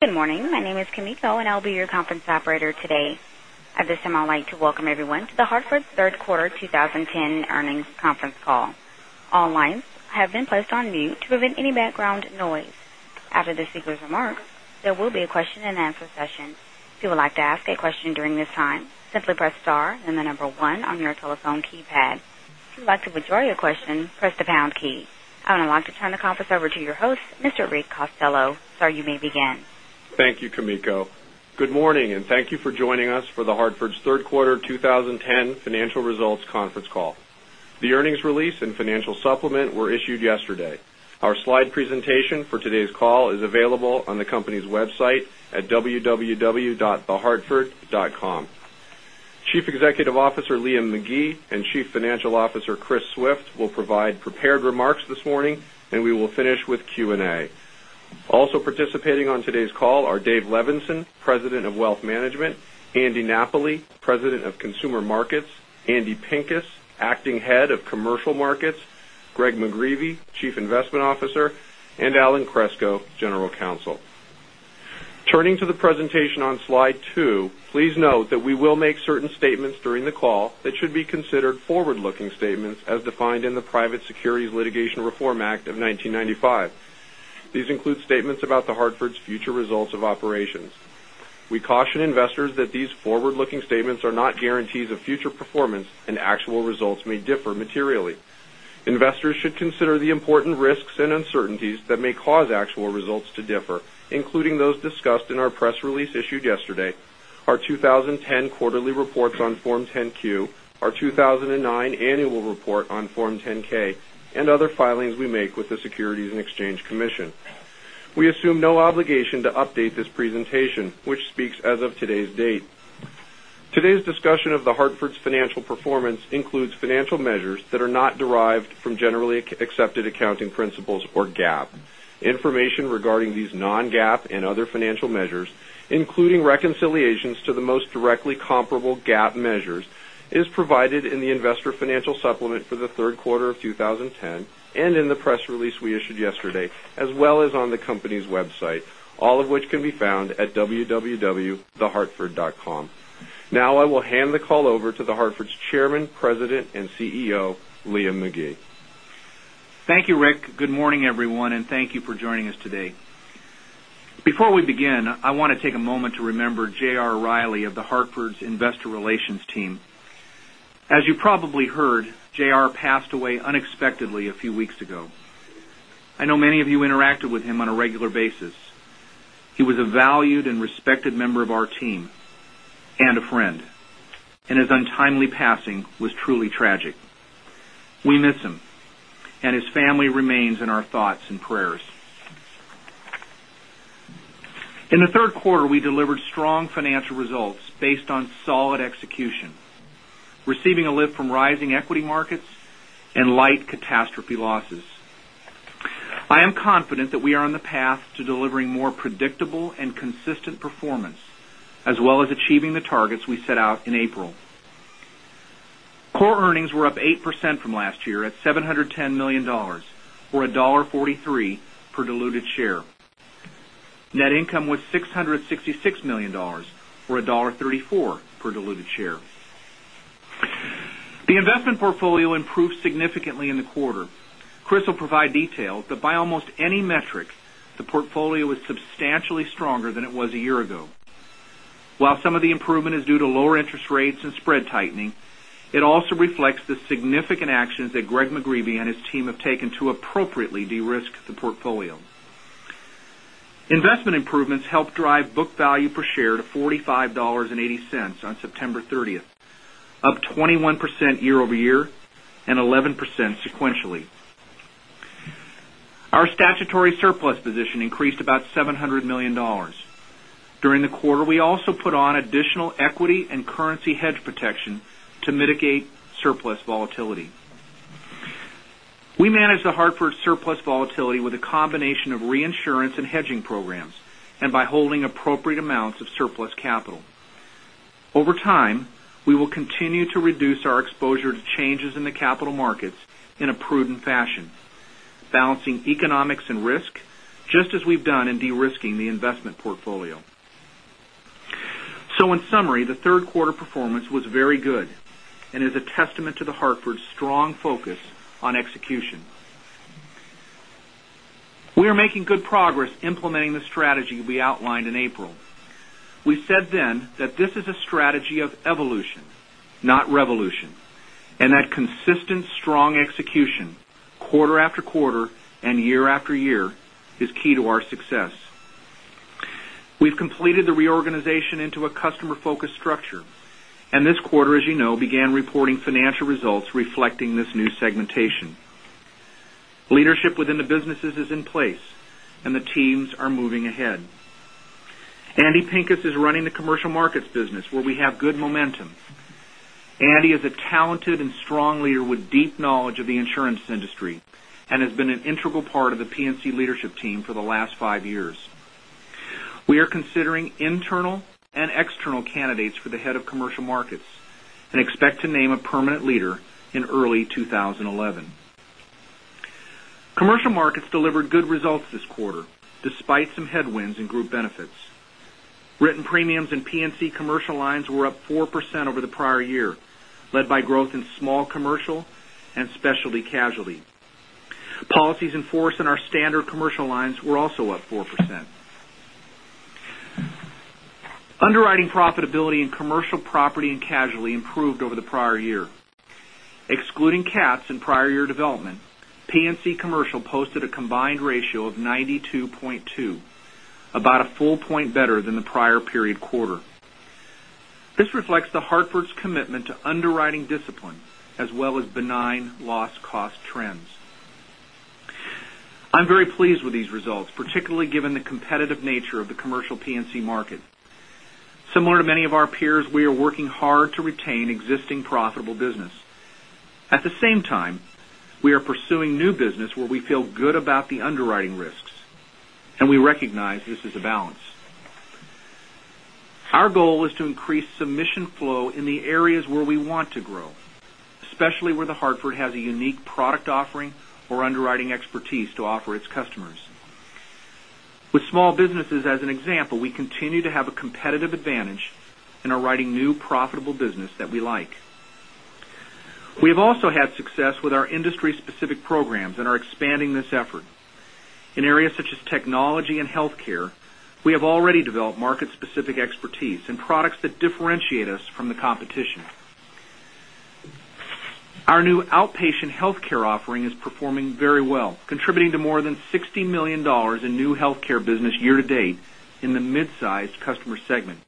Good morning. My name is Kimiko, and I'll be your conference operator today. At this time, I'd like to welcome everyone to The Hartford third quarter 2010 earnings conference call. All lines have been placed on mute to prevent any background noise. After the speakers' remarks, there will be a question and answer session. If you would like to ask a question during this time, simply press star, then the number one on your telephone keypad. If you'd like to withdraw your question, press the pound key. I would now like to turn the conference over to your host, Mr. Rick Costello. Sir, you may begin. Thank you, Kimiko. Good morning, and thank you for joining us for The Hartford's third quarter 2010 financial results conference call. The earnings release and financial supplement were issued yesterday. Our slide presentation for today's call is available on the company's website at www.thehartford.com. Chief Executive Officer, Liam McGee, and Chief Financial Officer, Chris Swift, will provide prepared remarks this morning, and we will finish with Q&A. Also participating on today's call are Dave Levenson, President of Wealth Management, Andy Napoli, President of Consumer Markets, Andy Pinkes, Acting Head of Commercial Markets, Greg McGreevey, Chief Investment Officer, and Alan Kreczko, General Counsel. Turning to the presentation on slide two, please note that we will make certain statements during the call that should be considered forward-looking statements as defined in the Private Securities Litigation Reform Act of 1995. These include statements about The Hartford's future results of operations. We caution investors that these forward-looking statements are not guarantees of future performance and actual results may differ materially. Investors should consider the important risks and uncertainties that may cause actual results to differ, including those discussed in our press release issued yesterday, our 2010 quarterly reports on Form 10-Q, our 2009 annual report on Form 10-K, and other filings we make with the Securities and Exchange Commission. We assume no obligation to update this presentation, which speaks as of today's date. Today's discussion of The Hartford's financial performance includes financial measures that are not derived from generally accepted accounting principles or GAAP. Information regarding these non-GAAP and other financial measures, including reconciliations to the most directly comparable GAAP measures, is provided in the investor financial supplement for the third quarter of 2010, and in the press release we issued yesterday, as well as on the company's website, all of which can be found at www.thehartford.com. I will hand the call over to The Hartford's Chairman, President, and CEO, Liam McGee. Thank you, Rick. Good morning, everyone, and thank you for joining us today. Before we begin, I want to take a moment to remember J.R. Riley of The Hartford's investor relations team. As you probably heard, J.R. passed away unexpectedly a few weeks ago. I know many of you interacted with him on a regular basis. He was a valued and respected member of our team and a friend, and his untimely passing was truly tragic. We miss him, and his family remains in our thoughts and prayers. In the third quarter, we delivered strong financial results based on solid execution, receiving a lift from rising equity markets and light catastrophe losses. I am confident that we are on the path to delivering more predictable and consistent performance, as well as achieving the targets we set out in April. Core earnings were up 8% from last year at $710 million, or $1.43 per diluted share. Net income was $666 million, or $1.34 per diluted share. The investment portfolio improved significantly in the quarter. Chris will provide details that by almost any metric, the portfolio is substantially stronger than it was a year ago. While some of the improvement is due to lower interest rates and spread tightening, it also reflects the significant actions that Gregory McGreevey and his team have taken to appropriately de-risk the portfolio. Investment improvements helped drive book value per share to $45.80 on September 30th, up 21% year-over-year and 11% sequentially. Our statutory surplus position increased about $700 million. During the quarter, we also put on additional equity and currency hedge protection to mitigate surplus volatility. We manage The Hartford surplus volatility with a combination of reinsurance and hedging programs and by holding appropriate amounts of surplus capital. Over time, we will continue to reduce our exposure to changes in the capital markets in a prudent fashion, balancing economics and risk just as we've done in de-risking the investment portfolio. In summary, the third quarter performance was very good and is a testament to The Hartford's strong focus on execution. We are making good progress implementing the strategy we outlined in April. We said then that this is a strategy of evolution, not revolution, and that consistent strong execution quarter after quarter and year after year is key to our success. We've completed the reorganization into a customer-focused structure, and this quarter, as you know, began reporting financial results reflecting this new segmentation. Leadership within the businesses is in place and the teams are moving ahead. Andy Pinkes is running the commercial markets business where we have good momentum. Andy is a talented and strong leader with deep knowledge of the insurance industry and has been an integral part of the P&C leadership team for the last five years. We are considering internal and external candidates for the Head of Commercial Markets and expect to name a permanent leader in early 2011. Commercial markets delivered good results this quarter, despite some headwinds in group benefits. Written premiums and P&C commercial lines were up 4% over the prior year, led by growth in small commercial and specialty casualty. Policies in force in our standard commercial lines were also up 4%. Underwriting profitability in commercial property and casualty improved over the prior year. Excluding CATs in prior year development, P&C Commercial posted a combined ratio of 92.2, about one full point better than the prior period quarter. This reflects The Hartford's commitment to underwriting discipline as well as benign loss cost trends. I'm very pleased with these results, particularly given the competitive nature of the Commercial P&C market. Similar to many of our peers, we are working hard to retain existing profitable business. At the same time, we are pursuing new business where we feel good about the underwriting risks, and we recognize this is a balance. Our goal is to increase submission flow in the areas where we want to grow, especially where The Hartford has a unique product offering or underwriting expertise to offer its customers. With small businesses as an example, we continue to have a competitive advantage and are writing new profitable business that we like. We have also had success with our industry specific programs and are expanding this effort. In areas such as technology and healthcare, we have already developed market specific expertise and products that differentiate us from the competition. Our new outpatient healthcare offering is performing very well, contributing to more than $60 million in new healthcare business year-to-date in the mid-sized customer segment.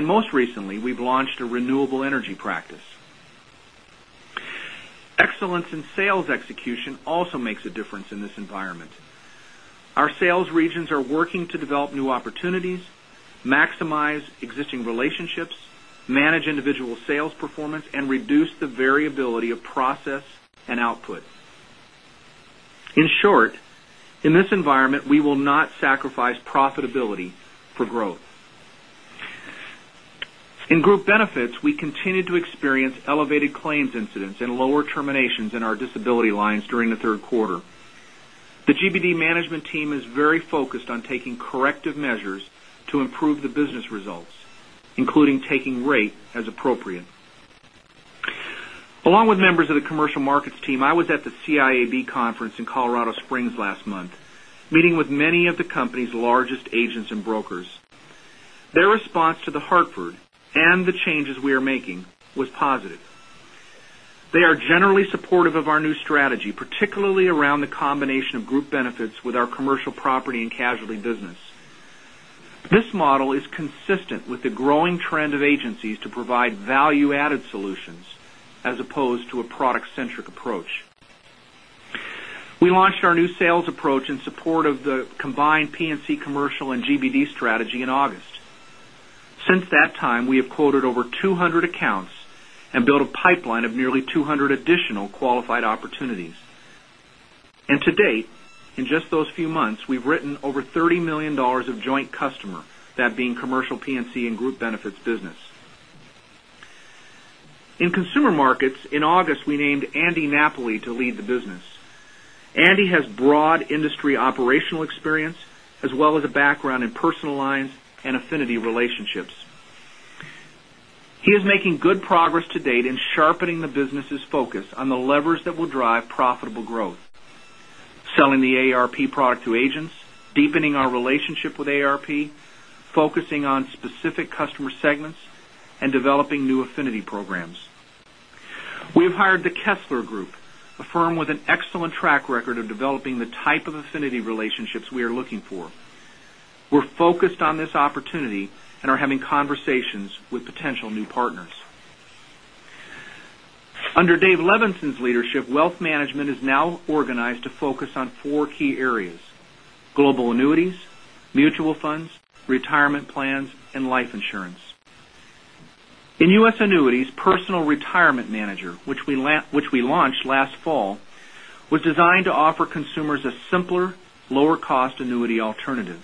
Most recently, we've launched a renewable energy practice. Excellence in sales execution also makes a difference in this environment. Our sales regions are working to develop new opportunities, maximize existing relationships, manage individual sales performance, and reduce the variability of process and output. In short, in this environment, we will not sacrifice profitability for growth. In Group Benefits, we continued to experience elevated claims incidents and lower terminations in our disability lines during the third quarter. The GBD management team is very focused on taking corrective measures to improve the business results, including taking rate as appropriate. Along with members of the Commercial Markets team, I was at the CIAB conference in Colorado Springs last month, meeting with many of the company's largest agents and brokers. Their response to The Hartford and the changes we are making was positive. They are generally supportive of our new strategy, particularly around the combination of Group Benefits with our Commercial Property and Casualty business. This model is consistent with the growing trend of agencies to provide value-added solutions as opposed to a product-centric approach. We launched our new sales approach in support of the combined P&C Commercial and GBD strategy in August. Since that time, we have quoted over 200 accounts and built a pipeline of nearly 200 additional qualified opportunities. To date, in just those few months, we've written over $30 million of joint customer, that being Commercial P&C and Group Benefits business. In Consumer Markets, in August, we named Andy Napoli to lead the business. Andy has broad industry operational experience as well as a background in personal lines and affinity relationships. He is making good progress to date in sharpening the business's focus on the levers that will drive profitable growth, selling the AARP product to agents, deepening our relationship with AARP, focusing on specific customer segments, and developing new affinity programs. We have hired The Kessler Group, a firm with an excellent track record of developing the type of affinity relationships we are looking for. We're focused on this opportunity and are having conversations with potential new partners. Under Dave Levenson's leadership, wealth management is now organized to focus on four key areas: global annuities, mutual funds, retirement plans, and life insurance. In U.S. annuities, Personal Retirement Manager, which we launched last fall, was designed to offer consumers a simpler, lower cost annuity alternative.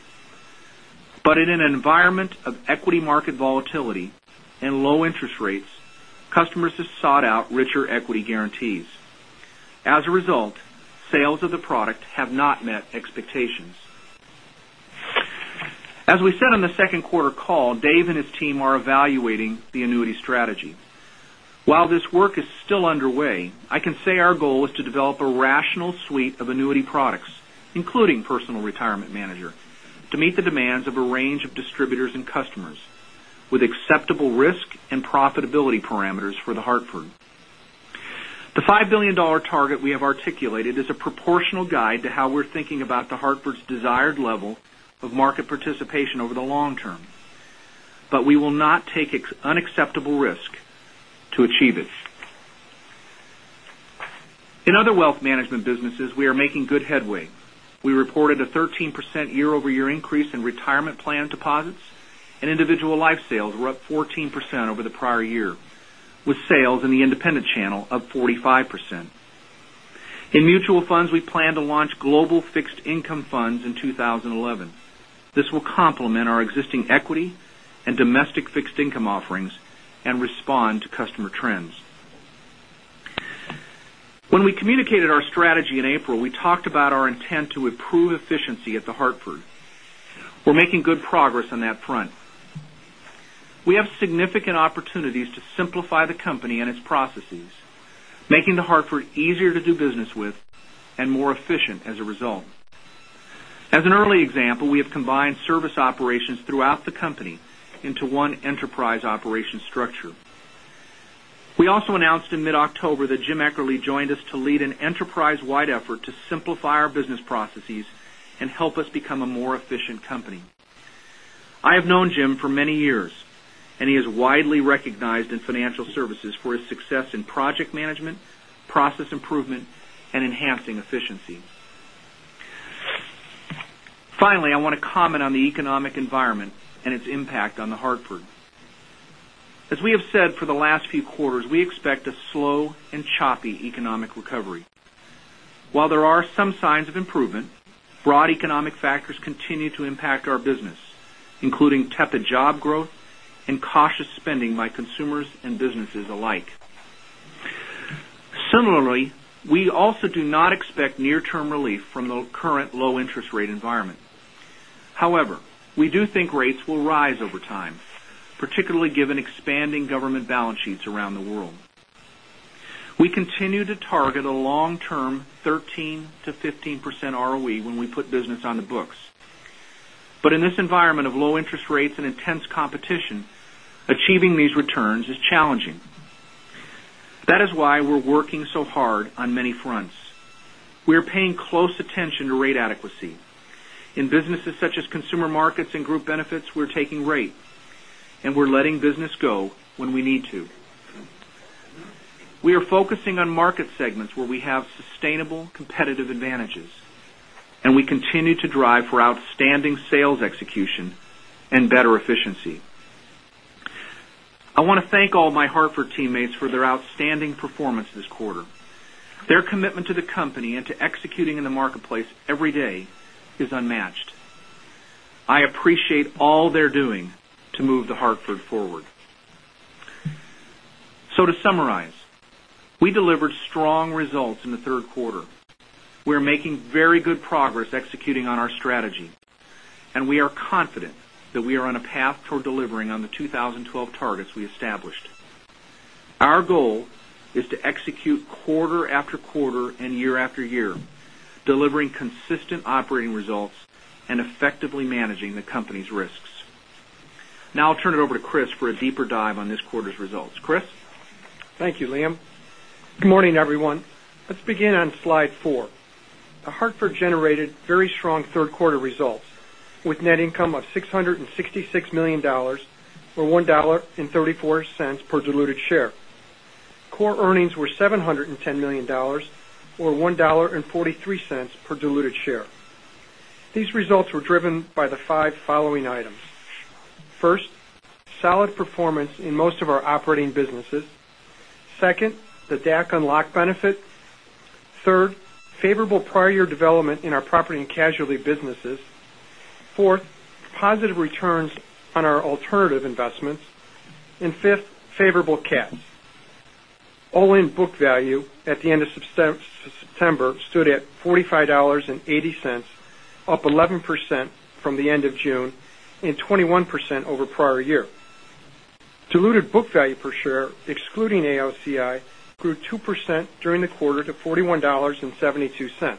In an environment of equity market volatility and low interest rates, customers have sought out richer equity guarantees. As a result, sales of the product have not met expectations. As we said on the second quarter call, Dave and his team are evaluating the annuity strategy. While this work is still underway, I can say our goal is to develop a rational suite of annuity products, including Personal Retirement Manager, to meet the demands of a range of distributors and customers with acceptable risk and profitability parameters for The Hartford. The $5 billion target we have articulated is a proportional guide to how we're thinking about The Hartford's desired level of market participation over the long term. We will not take unacceptable risk to achieve it. In other wealth management businesses, we are making good headway. We reported a 13% year-over-year increase in retirement plan deposits, and individual life sales were up 14% over the prior year, with sales in the independent channel up 45%. In mutual funds, we plan to launch global fixed income funds in 2011. This will complement our existing equity and domestic fixed income offerings and respond to customer trends. When we communicated our strategy in April, we talked about our intent to improve efficiency at The Hartford. We're making good progress on that front. We have significant opportunities to simplify the company and its processes, making The Hartford easier to do business with and more efficient as a result. As an early example, we have combined service operations throughout the company into one enterprise operation structure. We also announced in mid-October that Jim Eckerle joined us to lead an enterprise-wide effort to simplify our business processes and help us become a more efficient company. He is widely recognized in financial services for his success in project management, process improvement, and enhancing efficiency. Finally, I want to comment on the economic environment and its impact on The Hartford. As we have said for the last few quarters, we expect a slow and choppy economic recovery. While there are some signs of improvement, broad economic factors continue to impact our business, including tepid job growth and cautious spending by consumers and businesses alike. Similarly, we also do not expect near-term relief from the current low interest rate environment. However, we do think rates will rise over time, particularly given expanding government balance sheets around the world. We continue to target a long-term 13%-15% ROE when we put business on the books. In this environment of low interest rates and intense competition, achieving these returns is challenging. That is why we're working so hard on many fronts. We are paying close attention to rate adequacy. In businesses such as consumer markets and group benefits, we're taking rate, and we're letting business go when we need to. We are focusing on market segments where we have sustainable competitive advantages, and we continue to drive for outstanding sales execution and better efficiency. I want to thank all my Hartford teammates for their outstanding performance this quarter. Their commitment to the company and to executing in the marketplace every day is unmatched. I appreciate all they're doing to move The Hartford forward. To summarize, we delivered strong results in the third quarter. We are making very good progress executing on our strategy, and we are confident that we are on a path toward delivering on the 2012 targets we established. Our goal is to execute quarter after quarter and year after year, delivering consistent operating results and effectively managing the company's risks. I'll turn it over to Chris for a deeper dive on this quarter's results. Chris? Thank you, Liam. Good morning, everyone. Let's begin on slide four. The Hartford generated very strong third quarter results, with net income of $666 million, or $1.34 per diluted share. Core earnings were $710 million, or $1.43 per diluted share. These results were driven by the five following items. First, solid performance in most of our operating businesses. Second, the DAC unlock benefit. Third, favorable prior year development in our property and casualty businesses. Fourth, positive returns on our alternative investments. And fifth, favorable CATs. All-in book value at the end of September stood at $45.80, up 11% from the end of June and 21% over prior year. Diluted book value per share, excluding AOCI, grew 2% during the quarter to $41.72.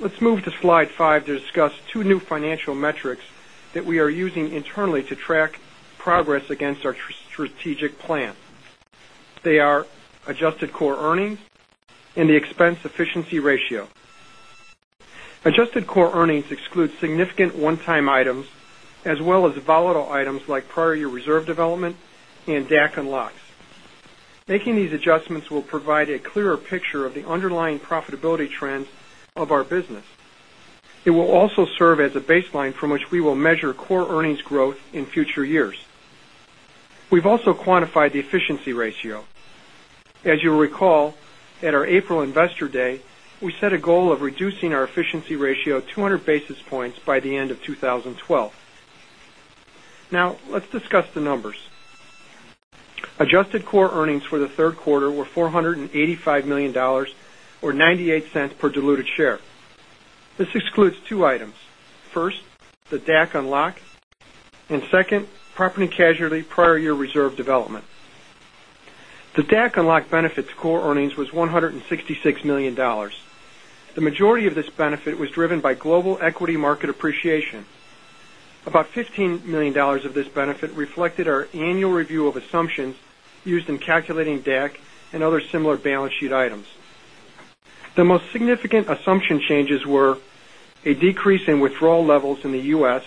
Let's move to slide five to discuss two new financial metrics that we are using internally to track progress against our strategic plan. They are adjusted core earnings and the expense efficiency ratio. Adjusted core earnings exclude significant one-time items, as well as volatile items like prior year reserve development and DAC unlocks. Making these adjustments will provide a clearer picture of the underlying profitability trends of our business. It will also serve as a baseline from which we will measure core earnings growth in future years. We've also quantified the efficiency ratio. As you'll recall, at our April Investor Day, we set a goal of reducing our efficiency ratio 200 basis points by the end of 2012. Let's discuss the numbers. Adjusted core earnings for the third quarter were $485 million, or $0.98 per diluted share. This excludes two items. First, the DAC unlock, and second, property and casualty prior year reserve development. The DAC unlock benefit to core earnings was $166 million. The majority of this benefit was driven by global equity market appreciation. About $15 million of this benefit reflected our annual review of assumptions used in calculating DAC and other similar balance sheet items. The most significant assumption changes were a decrease in withdrawal levels in the U.S.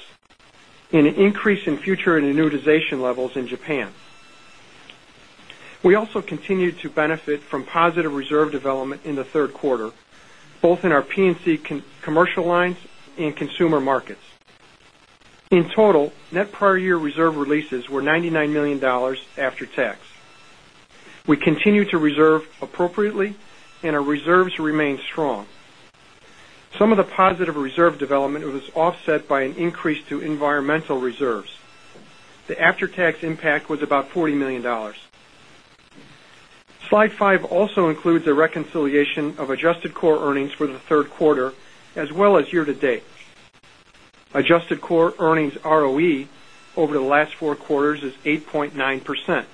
and an increase in future annuitization levels in Japan. We also continued to benefit from positive reserve development in the third quarter, both in our P&C commercial lines and consumer markets. In total, net prior year reserve releases were $99 million after tax. We continue to reserve appropriately, and our reserves remain strong. Some of the positive reserve development was offset by an increase to environmental reserves. The after-tax impact was about $40 million. Slide five also includes a reconciliation of adjusted core earnings for the third quarter as well as year-to-date. Adjusted core earnings ROE over the last four quarters is 8.9%.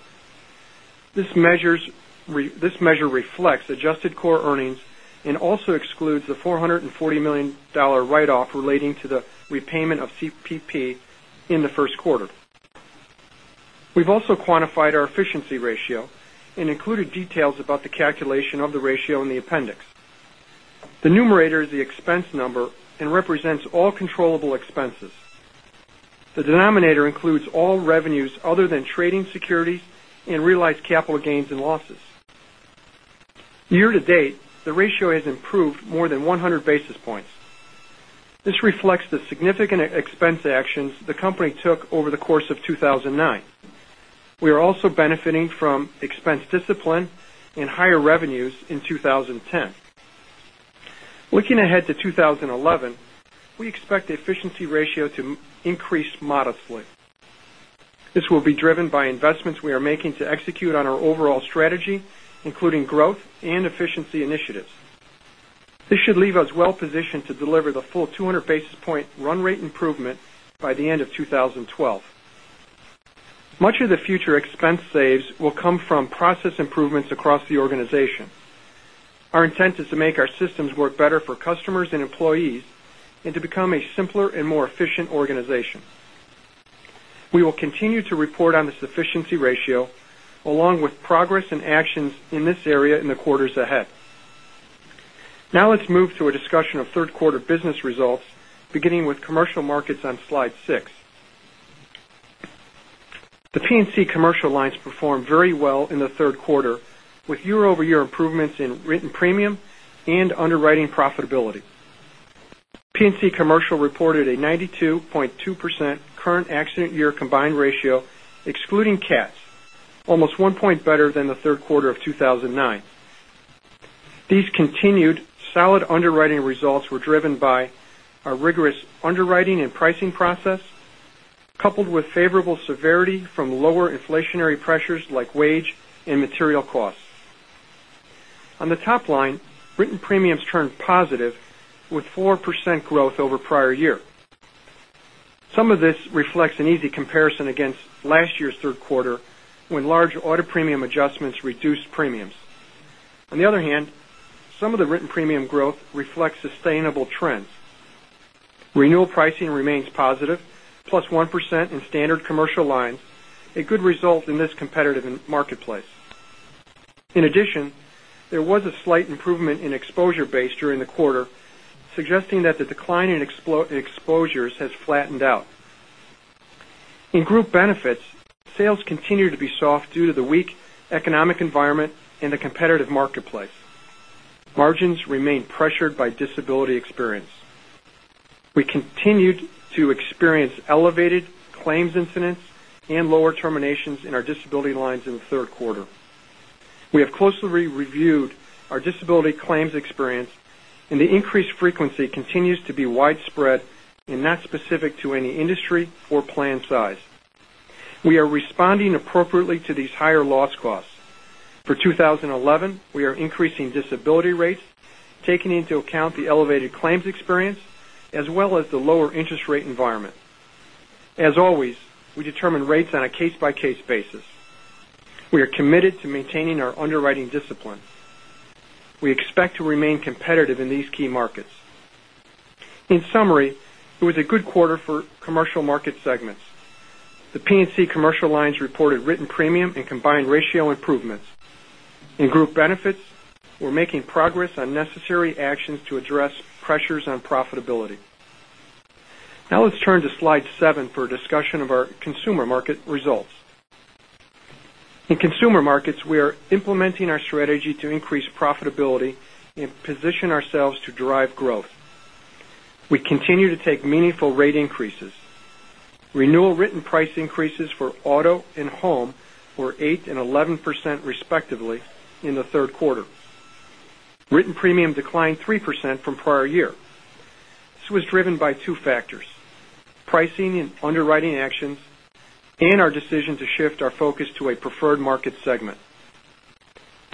This measure reflects adjusted core earnings and also excludes the $440 million write-off relating to the repayment of CPP in the first quarter. We've also quantified our efficiency ratio and included details about the calculation of the ratio in the appendix. The numerator is the expense number and represents all controllable expenses. The denominator includes all revenues other than trading securities and realized capital gains and losses. Year-to-date, the ratio has improved more than 100 basis points. This reflects the significant expense actions the company took over the course of 2009. We are also benefiting from expense discipline and higher revenues in 2010. Looking ahead to 2011, we expect the efficiency ratio to increase modestly. This will be driven by investments we are making to execute on our overall strategy, including growth and efficiency initiatives. This should leave us well positioned to deliver the full 200 basis point run rate improvement by the end of 2012. Much of the future expense saves will come from process improvements across the organization. Our intent is to make our systems work better for customers and employees and to become a simpler and more efficient organization. We will continue to report on this efficiency ratio, along with progress and actions in this area in the quarters ahead. Now let's move to a discussion of third quarter business results, beginning with Commercial Markets on slide seven. The P&C commercial lines performed very well in the third quarter, with year-over-year improvements in written premium and underwriting profitability. P&C Commercial reported a 92.2% current accident year combined ratio, excluding CATs, almost one point better than the third quarter of 2009. These continued solid underwriting results were driven by our rigorous underwriting and pricing process, coupled with favorable severity from lower inflationary pressures like wage and material costs. On the top line, written premiums turned positive with 4% growth over prior year. Some of this reflects an easy comparison against last year's third quarter, when large auto premium adjustments reduced premiums. On the other hand, some of the written premium growth reflects sustainable trends. Renewal pricing remains positive, plus 1% in standard Commercial Lines, a good result in this competitive marketplace. In addition, there was a slight improvement in exposure base during the quarter, suggesting that the decline in exposures has flattened out. In Group Benefits, sales continue to be soft due to the weak economic environment and a competitive marketplace. Margins remain pressured by disability experience. We continued to experience elevated claims incidents and lower terminations in our disability lines in the third quarter. We have closely reviewed our disability claims experience, and the increased frequency continues to be widespread and not specific to any industry or plan size. We are responding appropriately to these higher loss costs. For 2011, we are increasing disability rates, taking into account the elevated claims experience as well as the lower interest rate environment. As always, we determine rates on a case-by-case basis. We are committed to maintaining our underwriting discipline. We expect to remain competitive in these key markets. In summary, it was a good quarter for Commercial Market segments. The P&C commercial lines reported written premium and combined ratio improvements. In Group Benefits, we're making progress on necessary actions to address pressures on profitability. Now let's turn to slide seven for a discussion of our Consumer Market results. In consumer markets, we are implementing our strategy to increase profitability and position ourselves to drive growth. We continue to take meaningful rate increases. Renewal written price increases for auto and home were 8% and 11%, respectively, in the third quarter. Written premium declined 3% from prior year. This was driven by two factors: pricing and underwriting actions, and our decision to shift our focus to a preferred market segment.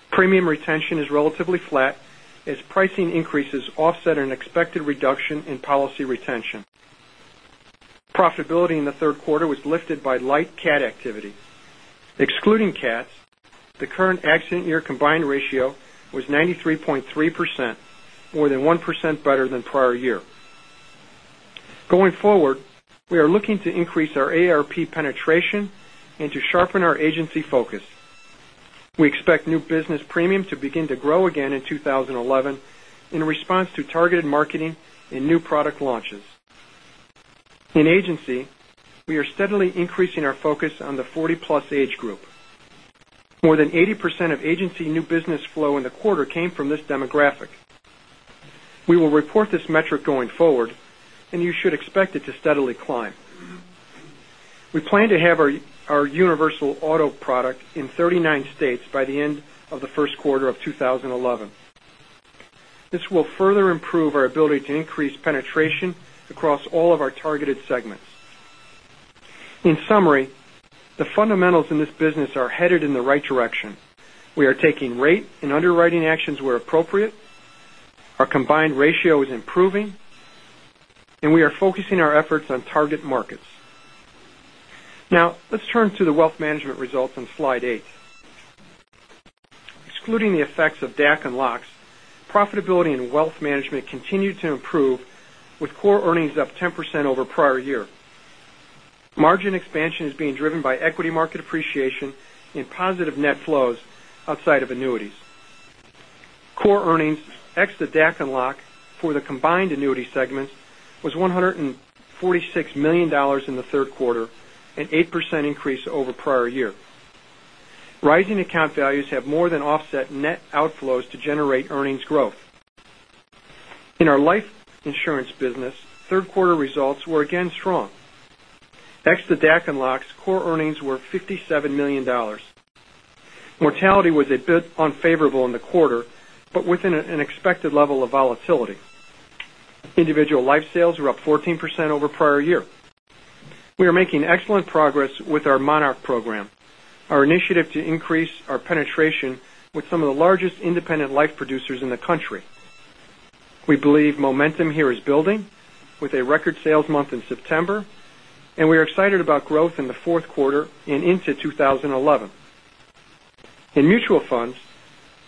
Premium retention is relatively flat as pricing increases offset an expected reduction in policy retention. Profitability in the third quarter was lifted by light CATs activity. Excluding CATs, the current accident year combined ratio was 93.3%, more than 1% better than prior year. Going forward, we are looking to increase our AARP penetration and to sharpen our agency focus. We expect new business premium to begin to grow again in 2011 in response to targeted marketing and new product launches. In agency, we are steadily increasing our focus on the 40-plus age group. More than 80% of agency new business flow in the quarter came from this demographic. We will report this metric going forward, and you should expect it to steadily climb. We plan to have our universal auto product in 39 states by the end of the first quarter of 2011. This will further improve our ability to increase penetration across all of our targeted segments. In summary, the fundamentals in this business are headed in the right direction. We are taking rate and underwriting actions where appropriate, our combined ratio is improving, and we are focusing our efforts on target markets. Now, let's turn to the wealth management results on slide eight. Excluding the effects of DAC unlocks, profitability and wealth management continued to improve, with core earnings up 10% over prior year. Margin expansion is being driven by equity market appreciation and positive net flows outside of annuities. Core earnings, ex the DAC and lock for the combined annuity segments, was $146 million in the third quarter, an 8% increase over prior year. Rising account values have more than offset net outflows to generate earnings growth. In our life insurance business, third quarter results were again strong. Ex the DAC and locks, core earnings were $57 million. Mortality was a bit unfavorable in the quarter, but within an expected level of volatility. Individual life sales were up 14% over prior year. We are making excellent progress with our Monarch program, our initiative to increase our penetration with some of the largest independent life producers in the country. We believe momentum here is building with a record sales month in September, and we are excited about growth in the fourth quarter and into 2011. In mutual funds,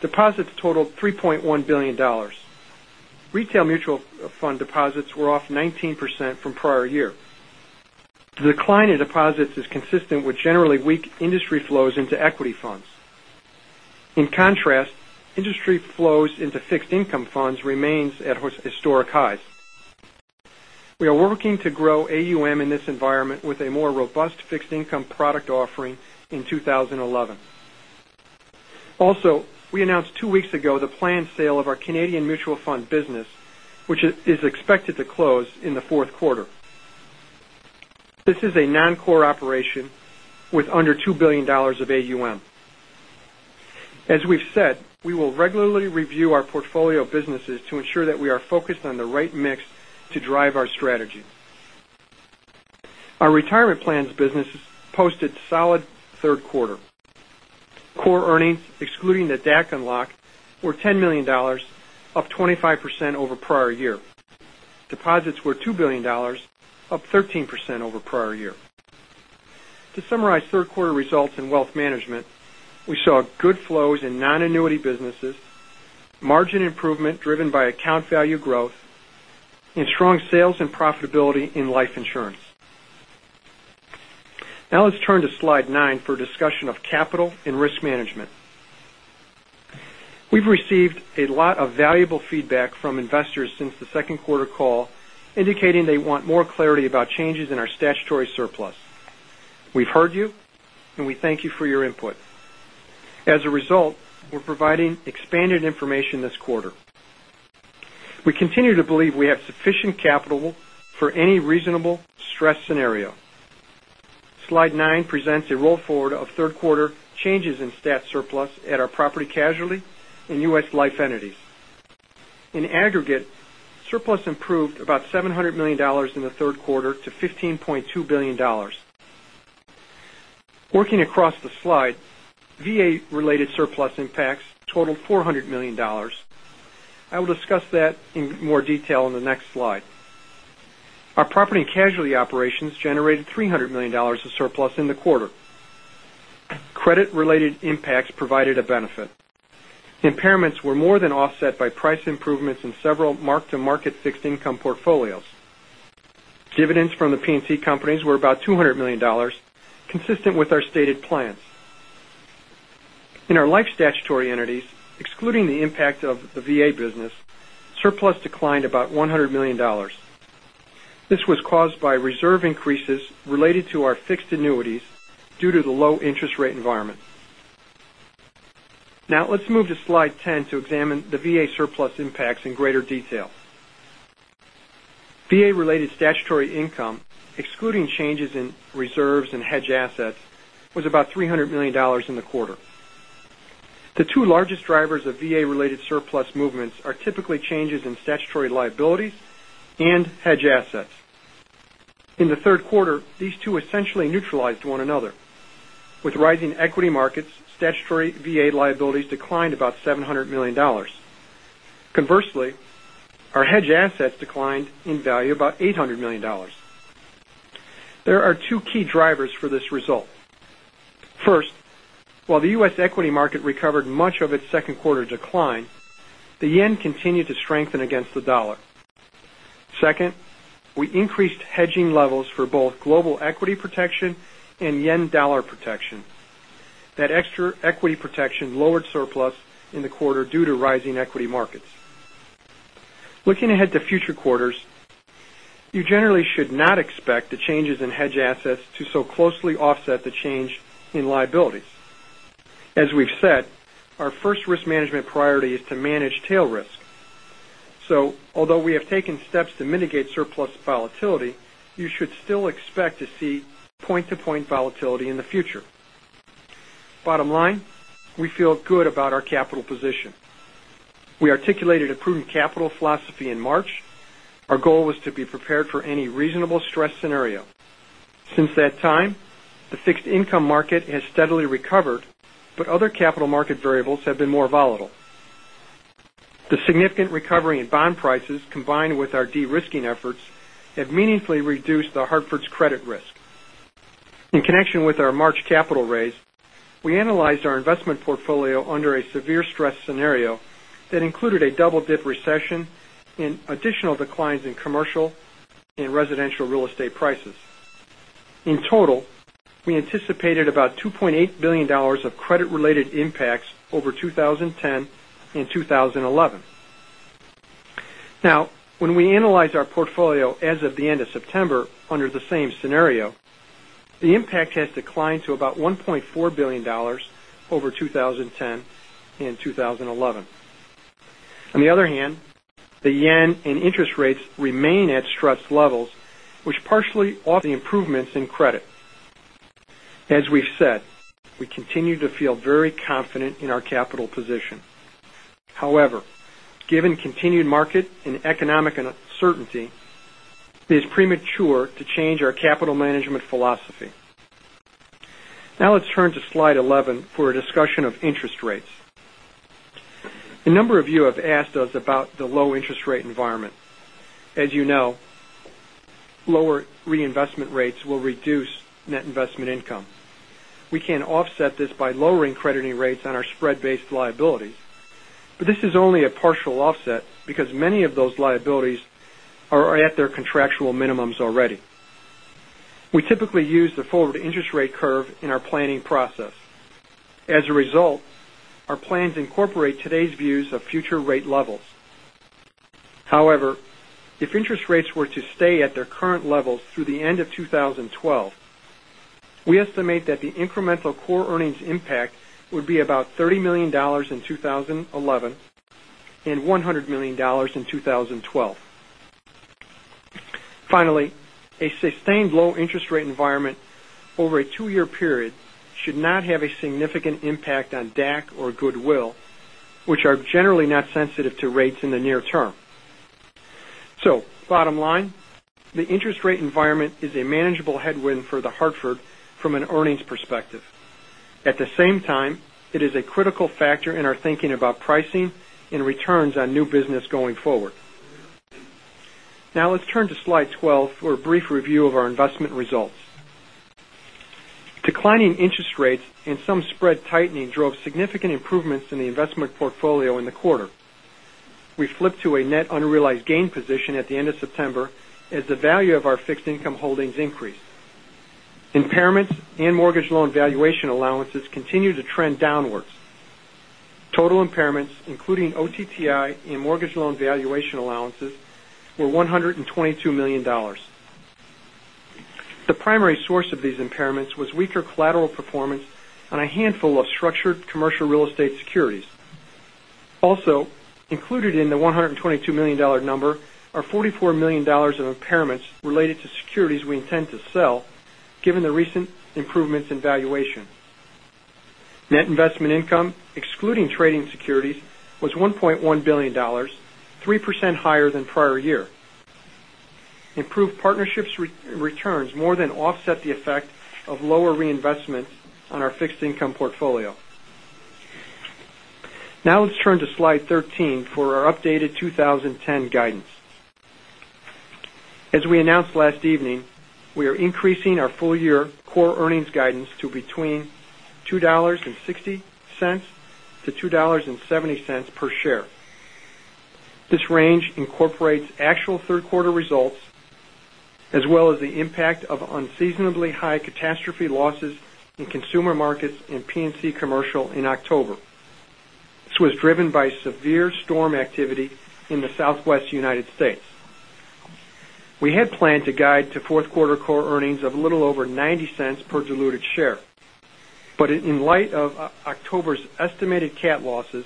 deposits totaled $3.1 billion. Retail mutual fund deposits were off 19% from prior year. The decline in deposits is consistent with generally weak industry flows into equity funds. In contrast, industry flows into fixed income funds remains at historic highs. We are working to grow AUM in this environment with a more robust fixed income product offering in 2011. Also, we announced two weeks ago the planned sale of our Canadian mutual fund business, which is expected to close in the fourth quarter. This is a non-core operation with under $2 billion of AUM. As we've said, we will regularly review our portfolio of businesses to ensure that we are focused on the right mix to drive our strategy. Our retirement plans business posted solid third quarter. Core earnings, excluding the DAC and AOCI, were $10 million, up 25% over prior year. Deposits were $2 billion, up 13% over prior year. To summarize third quarter results in wealth management, we saw good flows in non-annuity businesses, margin improvement driven by account value growth, and strong sales and profitability in life insurance. Now let's turn to slide nine for a discussion of capital and risk management. We've received a lot of valuable feedback from investors since the second quarter call, indicating they want more clarity about changes in our statutory surplus. We've heard you, and we thank you for your input. As a result, we're providing expanded information this quarter. We continue to believe we have sufficient capital for any reasonable stress scenario. Slide nine presents a roll forward of third quarter changes in stat surplus at our property casualty and U.S. Life entities. In aggregate, surplus improved about $700 million in the third quarter to $15.2 billion. Working across the slide, VA-related surplus impacts totaled $400 million. I will discuss that in more detail in the next slide. Our property and casualty operations generated $300 million of surplus in the quarter. Credit-related impacts provided a benefit. Impairments were more than offset by price improvements in several mark-to-market fixed income portfolios. Dividends from the P&C companies were about $200 million, consistent with our stated plans. In our life statutory entities, excluding the impact of the VA business, surplus declined about $100 million. This was caused by reserve increases related to our fixed annuities due to the low interest rate environment. Now let's move to slide 10 to examine the VA surplus impacts in greater detail. VA-related statutory income, excluding changes in reserves and hedge assets, was about $300 million in the quarter. The two largest drivers of VA-related surplus movements are typically changes in statutory liabilities and hedge assets. In the third quarter, these two essentially neutralized one another. With rising equity markets, statutory VA liabilities declined about $700 million. Conversely, our hedge assets declined in value about $800 million. There are two key drivers for this result. First, while the U.S. equity market recovered much of its second quarter decline, the yen continued to strengthen against the dollar. Second, we increased hedging levels for both global equity protection and yen-dollar protection. That extra equity protection lowered surplus in the quarter due to rising equity markets. Looking ahead to future quarters, you generally should not expect the changes in hedge assets to so closely offset the change in liabilities. As we've said, our first risk management priority is to manage tail risk. Although we have taken steps to mitigate surplus volatility, you should still expect to see point-to-point volatility in the future. Bottom line, we feel good about our capital position. We articulated a prudent capital philosophy in March. Our goal was to be prepared for any reasonable stress scenario. Since that time, the fixed income market has steadily recovered, but other capital market variables have been more volatile. The significant recovery in bond prices, combined with our de-risking efforts, have meaningfully reduced The Hartford's credit risk. In connection with our March capital raise, we analyzed our investment portfolio under a severe stress scenario that included a double-dip recession and additional declines in commercial and residential real estate prices. In total, we anticipated about $2.8 billion of credit-related impacts over 2010 and 2011. When we analyze our portfolio as of the end of September under the same scenario, the impact has declined to about $1.4 billion over 2010 and 2011. On the other hand, the yen and interest rates remain at stress levels, which partially the improvements in credit. As we've said, we continue to feel very confident in our capital position. However, given continued market and economic uncertainty, it is premature to change our capital management philosophy. Let's turn to slide 11 for a discussion of interest rates. A number of you have asked us about the low interest rate environment. As you know, lower reinvestment rates will reduce net investment income. We can offset this by lowering crediting rates on our spread-based liabilities, this is only a partial offset because many of those liabilities are at their contractual minimums already. We typically use the forward interest rate curve in our planning process. As a result, our plans incorporate today's views of future rate levels. If interest rates were to stay at their current levels through the end of 2012, we estimate that the incremental core earnings impact would be about $30 million in 2011 and $100 million in 2012. A sustained low interest rate environment over a two-year period should not have a significant impact on DAC or goodwill, which are generally not sensitive to rates in the near term. Bottom line, the interest rate environment is a manageable headwind for The Hartford from an earnings perspective. At the same time, it is a critical factor in our thinking about pricing and returns on new business going forward. Let's turn to slide 12 for a brief review of our investment results. Declining interest rates and some spread tightening drove significant improvements in the investment portfolio in the quarter. We flipped to a net unrealized gain position at the end of September as the value of our fixed income holdings increased. Impairments and mortgage loan valuation allowances continue to trend downwards. Total impairments, including OTTI and mortgage loan valuation allowances, were $122 million. The primary source of these impairments was weaker collateral performance on a handful of structured commercial real estate securities. Included in the $122 million number are $44 million of impairments related to securities we intend to sell, given the recent improvements in valuation. Net investment income, excluding trading securities, was $1.1 billion, 3% higher than prior year. Improved partnerships returns more than offset the effect of lower reinvestment on our fixed income portfolio. Let's turn to slide 13 for our updated 2010 guidance. We announced last evening, we are increasing our full-year core earnings guidance to between $2.60-$2.70 per share. This range incorporates actual third quarter results, as well as the impact of unseasonably high catastrophe losses in consumer markets and P&C commercial in October. This was driven by severe storm activity in the Southwest U.S. We had planned to guide to fourth quarter core earnings of a little over $0.90 per diluted share. In light of October's estimated cat losses,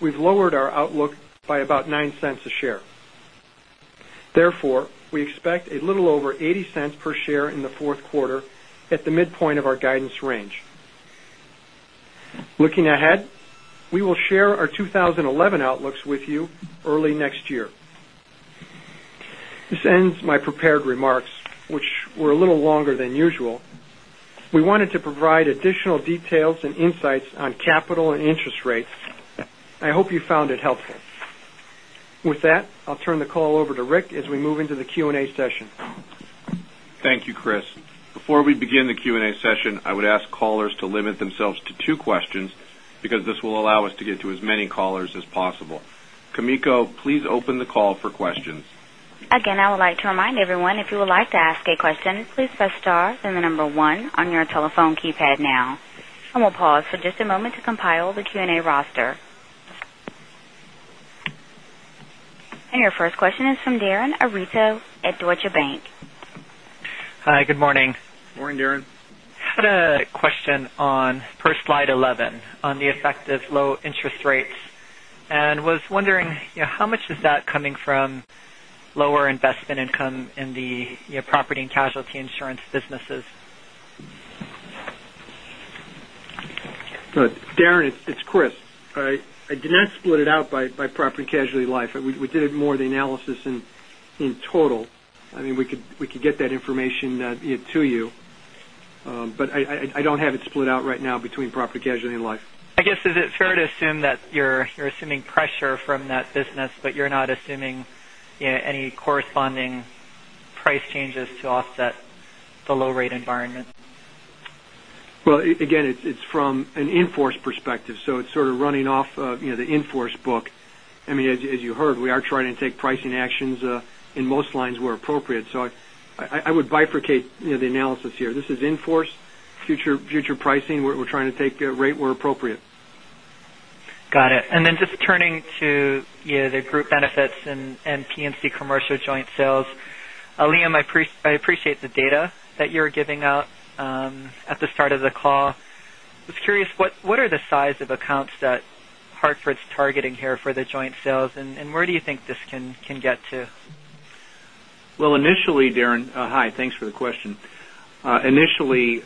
we've lowered our outlook by about $0.09 a share. Therefore, we expect a little over $0.80 per share in the fourth quarter at the midpoint of our guidance range. Looking ahead, we will share our 2011 outlooks with you early next year. This ends my prepared remarks, which were a little longer than usual. We wanted to provide additional details and insights on capital and interest rates, and I hope you found it helpful. With that, I'll turn the call over to Rick as we move into the Q&A session. Thank you, Chris. Before we begin the Q&A session, I would ask callers to limit themselves to two questions, because this will allow us to get to as many callers as possible. Kimiko, please open the call for questions. Again, I would like to remind everyone, if you would like to ask a question, please press star then the number one on your telephone keypad now. We'll pause for just a moment to compile the Q&A roster. Your first question is from Darin Arita at Deutsche Bank. Hi, good morning. Morning, Darin. I had a question on, per slide 11, on the effect of low interest rates. Was wondering how much is that coming from lower investment income in the property and casualty insurance businesses? Darin, it's Chris. I did not split it out by property casualty life. We did it more the analysis in total. We could get that information to you. I don't have it split out right now between property casualty and life. I guess, is it fair to assume that you're assuming pressure from that business, but you're not assuming any corresponding price changes to offset the low rate environment? Well, again, it's from an in-force perspective, it's sort of running off the in-force book. As you heard, we are trying to take pricing actions in most lines where appropriate. I would bifurcate the analysis here. This is in-force. Future pricing, we're trying to take rate where appropriate. Got it. Just turning to the group benefits and P&C commercial joint sales. Liam, I appreciate the data that you're giving out at the start of the call. I was curious, what are the size of accounts that The Hartford's targeting here for the joint sales, and where do you think this can get to? Well, initially, Darin. Hi, thanks for the question. Initially,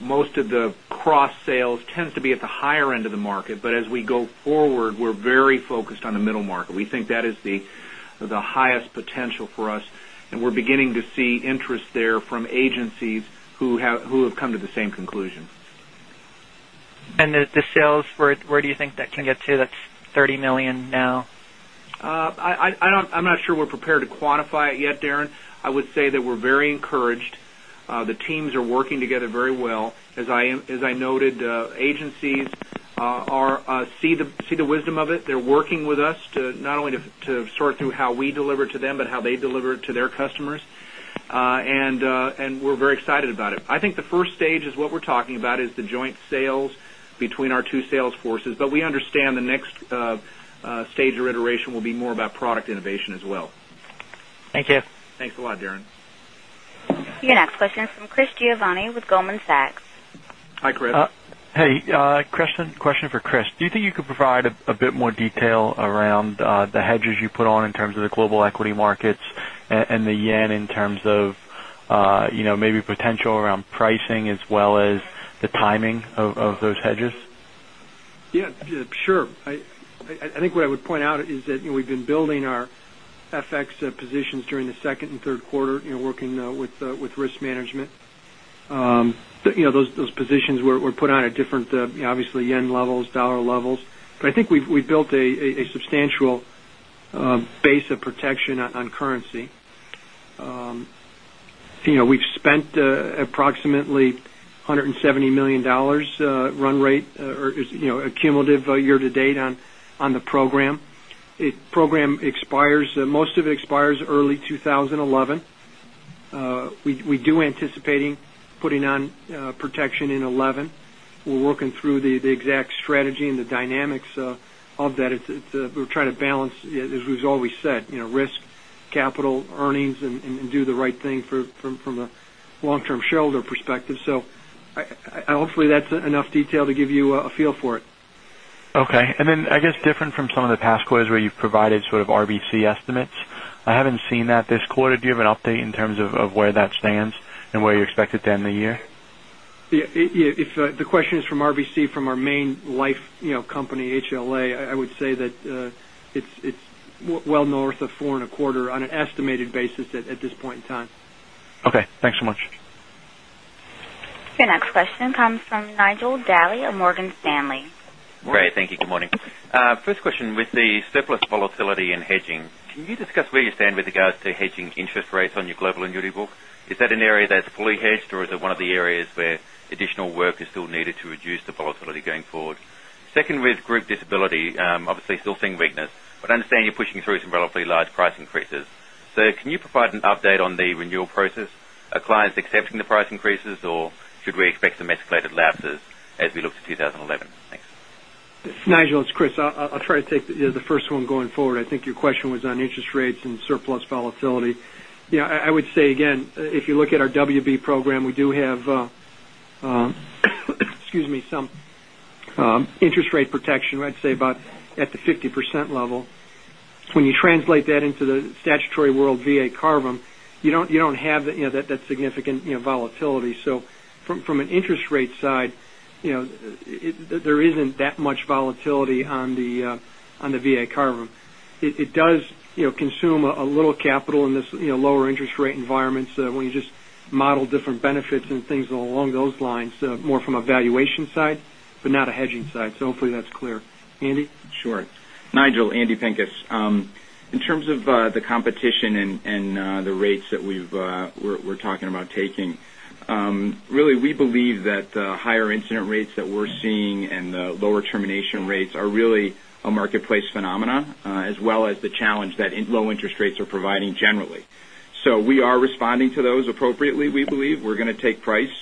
most of the cross sales tends to be at the higher end of the market. As we go forward, we're very focused on the middle market. We think that is the highest potential for us, we're beginning to see interest there from agencies who have come to the same conclusion. The sales, where do you think that can get to? That's $30 million now. I'm not sure we're prepared to quantify it yet, Darin. I would say that we're very encouraged. The teams are working together very well. As I noted, agencies see the wisdom of it. They're working with us to not only to sort through how we deliver to them, but how they deliver it to their customers. We're very excited about it. I think the first stage is what we're talking about is the joint sales between our two sales forces. We understand the next stage or iteration will be more about product innovation as well. Thank you. Thanks a lot, Darin. Your next question is from Chris Giovanni with Goldman Sachs. Hi, Chris. Hey, question for Chris. Do you think you could provide a bit more detail around the hedges you put on in terms of the global equity markets and the yen in terms of maybe potential around pricing as well as the timing of those hedges? Yeah, sure. I think what I would point out is that we've been building our FX positions during the second and third quarter, working with risk management. Those positions were put on at different, obviously, yen levels, dollar levels. I think we've built a substantial base of protection on currency. We've spent approximately $170 million run rate or cumulative year to date on the program. Most of it expires early 2011. We do anticipating putting on protection in 2011. We're working through the exact strategy and the dynamics of that. We're trying to balance, as we've always said, risk, capital, earnings, and do the right thing from a long-term shareholder perspective. Hopefully, that's enough detail to give you a feel for it. Okay. Then, I guess, different from some of the past quarters where you've provided sort of RBC estimates. I haven't seen that this quarter. Do you have an update in terms of where that stands and where you expect it to end the year? If the question is from RBC from our main life company, HLA, I would say that it's well north of four and a quarter on an estimated basis at this point in time. Okay, thanks so much. Your next question comes from Nigel Dally of Morgan Stanley. Great, thank you. Good morning. First question, with the surplus volatility and hedging, can you discuss where you stand with regards to hedging interest rates on your global annuity book? Is that an area that's fully hedged, or is it one of the areas where additional work is still needed to reduce the volatility going forward? Second, with group disability, obviously still seeing weakness, but I understand you're pushing through some relatively large price increases. Can you provide an update on the renewal process? Are clients accepting the price increases, or should we expect some escalated lapses as we look to 2011? Thanks. Nigel, it's Chris. I'll try to take the first one going forward. I think your question was on interest rates and surplus volatility. I would say again, if you look at our WB program, we do have some interest rate protection, I'd say about at the 50% level. When you translate that into the statutory world VA CARVM, you don't have that significant volatility. From an interest rate side, there isn't that much volatility on the VA CARVM. It does consume a little capital in this lower interest rate environment. When you just model different benefits and things along those lines, more from a valuation side, but not a hedging side. Hopefully that's clear. Andy? Sure. Nigel, Andy Pinkes. In terms of the competition and the rates that we're talking about taking. Really, we believe that the higher incident rates that we're seeing and the lower termination rates are really a marketplace phenomenon, as well as the challenge that low interest rates are providing generally. We are responding to those appropriately, we believe. We're going to take price.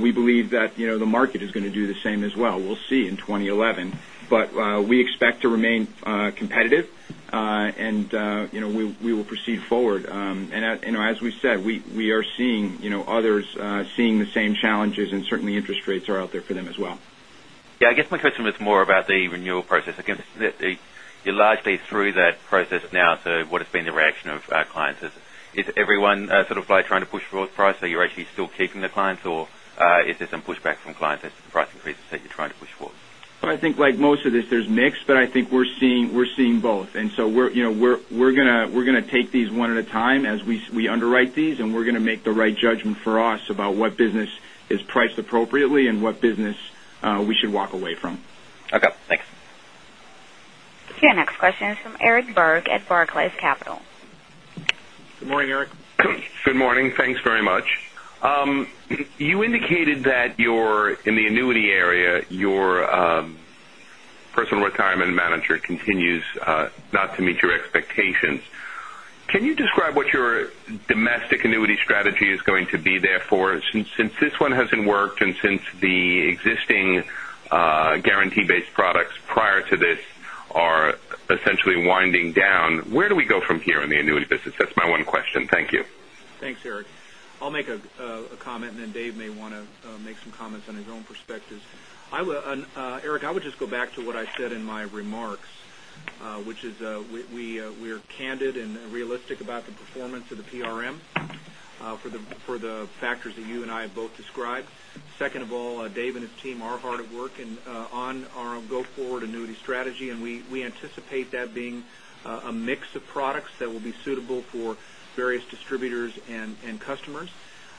We believe that the market is going to do the same as well. We'll see in 2011. But we expect to remain competitive, and we will proceed forward. As we said, we are seeing others seeing the same challenges, and certainly interest rates are out there for them as well. I guess my question was more about the renewal process. I guess you're largely through that process now. What has been the reaction of clients? Is everyone sort of trying to push price? Are you actually still keeping the clients, or is there some pushback from clients as to the price increases that you're trying to push forward? I think like most of this, there's mix, but I think we're seeing both. We're going to take these one at a time as we underwrite these, and we're going to make the right judgment for us about what business is priced appropriately and what business we should walk away from. Thanks. Your next question is from Eric Berg at Barclays Capital. Good morning, Eric. Good morning. Thanks very much. You indicated that in the annuity area, your Personal Retirement Manager continues not to meet your expectations. Can you describe what your domestic annuity strategy is going to be there for? Since this one hasn't worked and since the existing guarantee-based products prior to this are essentially winding down, where do we go from here in the annuity business? That's my one question. Thank you. Thanks, Eric. I'll make a comment, and then Dave may want to make some comments on his own perspectives. Eric, I would just go back to what I said in my remarks, which is we are candid and realistic about the performance of the PRM for the factors that you and I have both described. Second of all, Dave and his team are hard at work on our go-forward annuity strategy, and we anticipate that being a mix of products that will be suitable for various distributors and customers.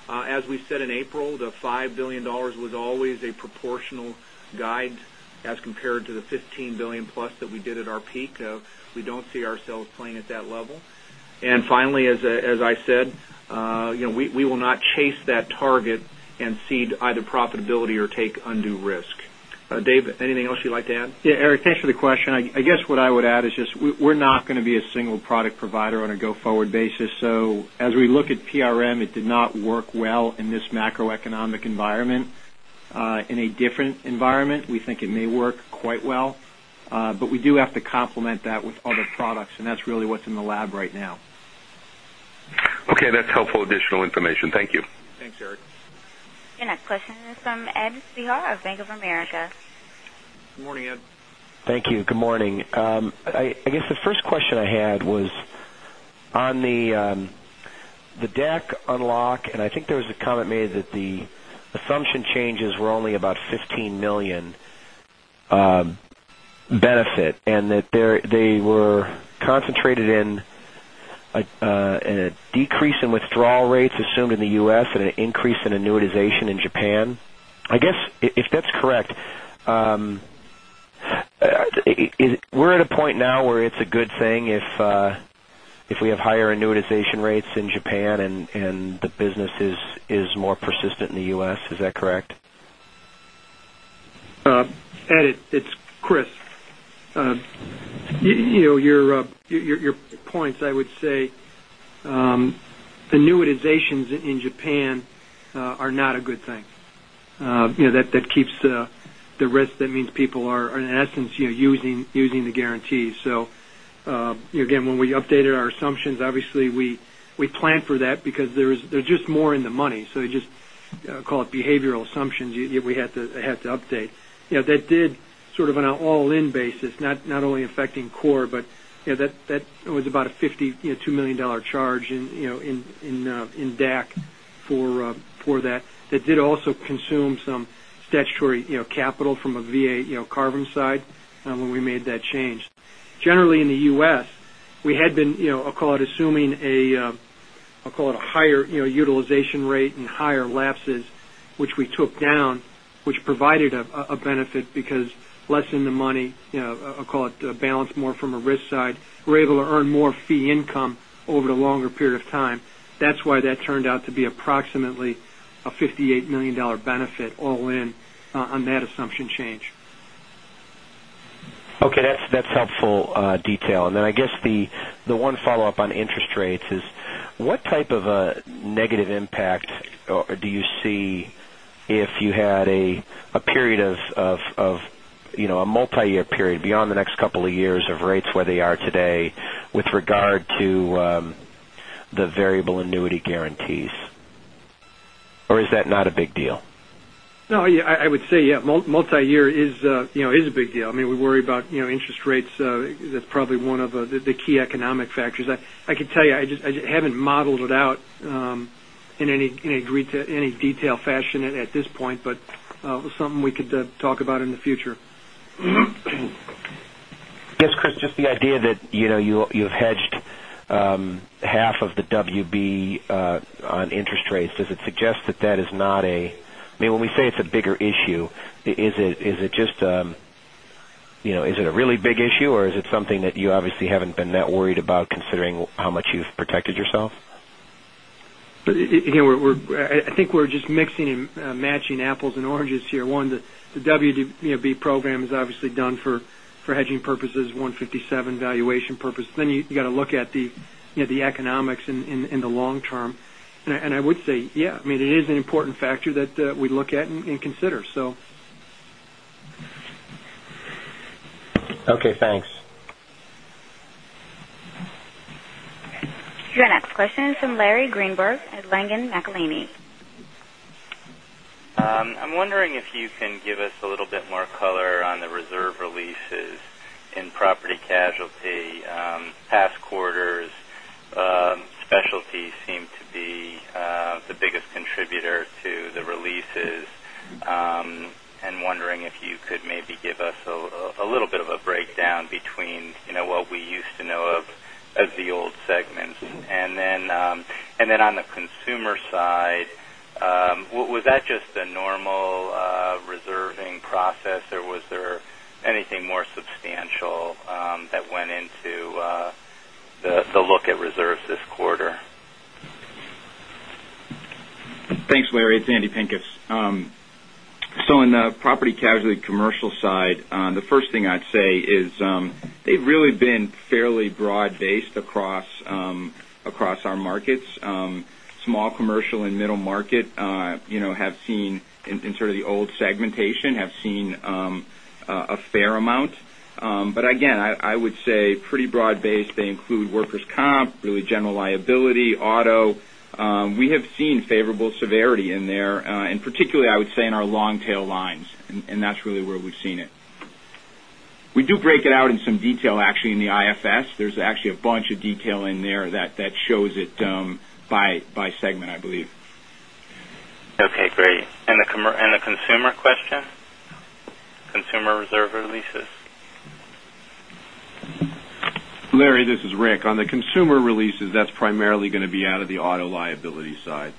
As we said in April, the $5 billion was always a proportional guide as compared to the $15 billion-plus that we did at our peak. We don't see ourselves playing at that level. Finally, as I said, we will not chase that target and cede either profitability or take undue risk. Dave, anything else you'd like to add? Yeah, Eric, thanks for the question. I guess what I would add is just we're not going to be a single product provider on a go-forward basis. As we look at PRM, it did not work well in this macroeconomic environment. In a different environment, we think it may work quite well. We do have to complement that with other products, and that's really what's in the lab right now. Okay. That's helpful additional information. Thank you. Thanks, Eric. Your next question is from Ed Spehar of Bank of America. Good morning, Ed. Thank you. Good morning. I guess the first question I had was on the DAC unlock. I think there was a comment made that the assumption changes were only about $15 million benefit. They were concentrated in a decrease in withdrawal rates assumed in the U.S. and an increase in annuitization in Japan. I guess if that's correct, we're at a point now where it's a good thing if we have higher annuitization rates in Japan and the business is more persistent in the U.S. Is that correct? Ed, it's Chris. Your points, I would say annuitizations in Japan are not a good thing. That means people are, in essence, using the guarantee. Again, when we updated our assumptions, obviously we planned for that because they're just more in the money. They just call it behavioral assumptions. We had to update. That did sort of on an all-in basis, not only affecting core, but that was about a $52 million charge in DAC for that. That did also consume some statutory capital from a VA CARVM side when we made that change. Generally, in the U.S., we had been, I'll call it assuming a, I'll call it a higher utilization rate and higher lapses, which we took down, which provided a benefit because less in the money, I'll call it balanced more from a risk side. We're able to earn more fee income over the longer period of time. That's why that turned out to be approximately a $58 million benefit all in on that assumption change. Okay. That's helpful detail. I guess the one follow-up on interest rates is what type of a negative impact do you see if you had a multi-year period beyond the next couple of years of rates where they are today with regard to the variable annuity guarantees? Or is that not a big deal? No, I would say, yeah, multi-year is a big deal. I mean, we worry about interest rates. That's probably one of the key economic factors. I can tell you, I haven't modeled it out in any detail fashion at this point, but something we could talk about in the future. Yes, Chris, just the idea that you've hedged half of the WB on interest rates. Does it suggest that that is not a really big issue, or is it something that you obviously haven't been that worried about considering how much you've protected yourself? I think we're just mixing and matching apples and oranges here. One, the WDB program is obviously done for hedging purposes, 157 valuation purpose. You got to look at the economics in the long term. I would say, yeah, it is an important factor that we look at and consider. Okay, thanks. Your next question is from Larry Greenberg at Langen McAlenney. I'm wondering if you can give us a little bit more color on the reserve releases in Property Casualty. Past quarters, specialty seemed to be the biggest contributor to the releases. I'm wondering if you could maybe give us a little bit of a breakdown between what we used to know of the old segments. Then on the consumer side, was that just a normal reserving process, or was there anything more substantial that went into the look at reserves this quarter? Thanks, Larry. It's Andy Pinkes. In the Property Casualty commercial side, the first thing I'd say is they've really been fairly broad-based across our markets. Small Commercial and Middle Market, in sort of the old segmentation, have seen a fair amount. Again, I would say pretty broad-based. They include Workers' Comp, really General Liability, Auto. We have seen favorable severity in there. Particularly, I would say in our long-tail lines, that's really where we've seen it. We do break it out in some detail, actually, in the IFS. There's actually a bunch of detail in there that shows it by segment, I believe. Okay, great. The consumer question? Consumer reserve releases. Larry, this is Rick. On the consumer releases, that's primarily going to be out of the auto liability side.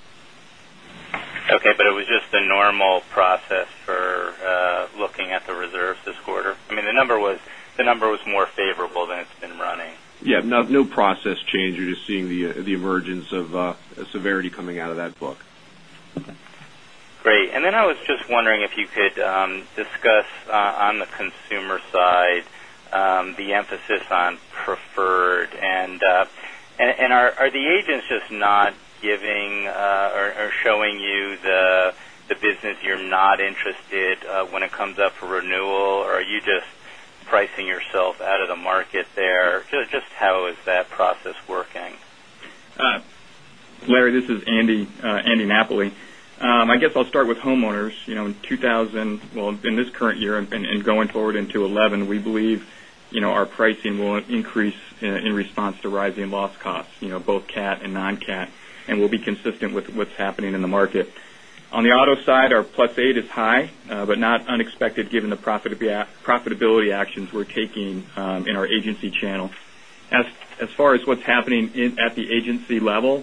Okay, it was just the normal process for looking at the reserves this quarter. I mean, the number was more favorable than it's been running. Yeah, no process change. You're just seeing the emergence of a severity coming out of that book. Okay, great. Then I was just wondering if you could discuss, on the consumer side, the emphasis on preferred. Are the agents just not giving or showing you the business you're not interested when it comes up for renewal, or are you just pricing yourself out of the market there? Just how is that process working? Larry, this is Andy Napoli. I guess I'll start with homeowners. In this current year and going forward into 2011, we believe our pricing will increase in response to rising loss costs, both cat and non-cat, and will be consistent with what's happening in the market. On the auto side, our +8 is high but not unexpected given the profitability actions we're taking in our agency channel. As far as what's happening at the agency level,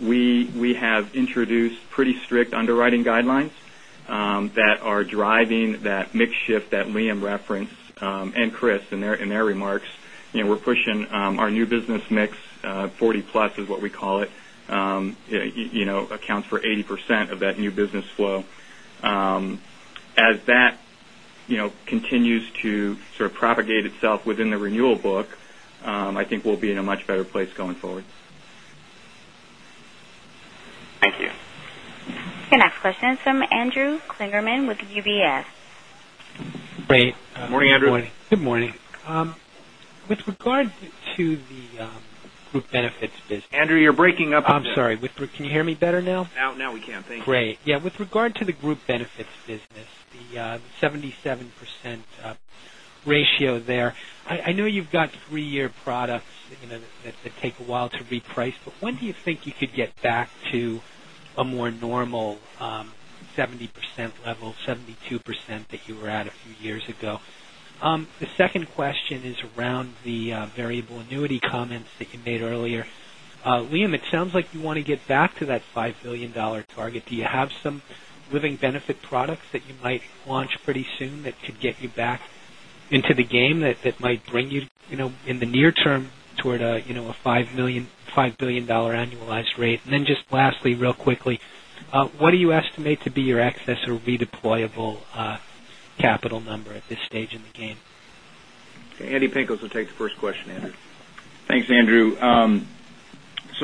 we have introduced pretty strict underwriting guidelines that are driving that mix shift that Liam referenced, and Chris in their remarks. We're pushing our new business mix, 40+ is what we call it, accounts for 80% of that new business flow. As that continues to sort of propagate itself within the renewal book, I think we'll be in a much better place going forward. Thank you. Your next question is from Andrew Kligerman with UBS. Great. Morning, Andrew. Good morning. With regard to the group benefits business- Andrew, you're breaking up a bit. I'm sorry. Can you hear me better now? Now we can. Thank you. Great. Yeah. With regard to the group benefits business, the 77% ratio there, I know you've got three-year products that take a while to reprice, but when do you think you could get back to a more normal 70% level, 72% that you were at a few years ago? The second question is around the variable annuity comments that you made earlier. Liam, it sounds like you want to get back to that $5 billion target. Do you have some living benefit products that you might launch pretty soon that could get you back into the game, that might bring you in the near term toward a $5 billion annualized rate? Just lastly, real quickly, what do you estimate to be your excess or redeployable capital number at this stage in the game? Andy Pinkes will take the first question, Andrew. Thanks, Andrew.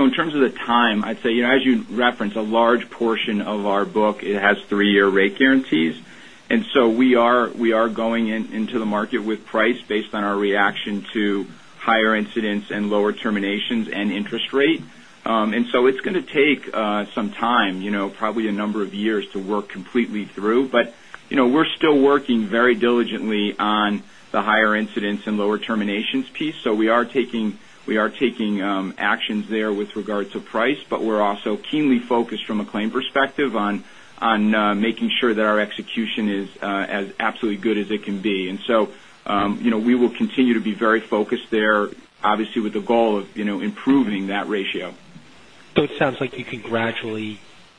In terms of the time, I'd say, as you reference, a large portion of our book, it has three-year rate guarantees. We are going into the market with price based on our reaction to higher incidents and lower terminations and interest rate. It's going to take some time, probably a number of years to work completely through. We're still working very diligently on the higher incidents and lower terminations piece. We are taking actions there with regard to price, but we're also keenly focused from a claim perspective on making sure that our execution is as absolutely good as it can be. We will continue to be very focused there, obviously with the goal of improving that ratio. It sounds like you could gradually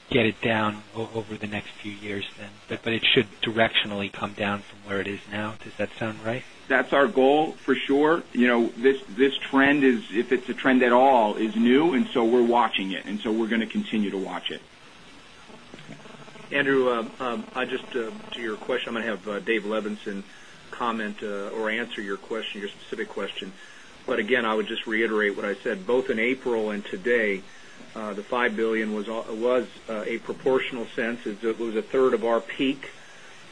Get it down over the next few years then. It should directionally come down from where it is now. Does that sound right? That's our goal for sure. This trend is, if it's a trend at all, is new, we're watching it. We're going to continue to watch it. Andrew, just to your question, I'm going to have Dave Levenson comment or answer your specific question. Again, I would just reiterate what I said, both in April and today, the $5 billion was a proportional sense. It was a third of our peak,